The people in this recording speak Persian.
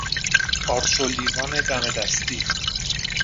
پارچ و لیوان دم دستی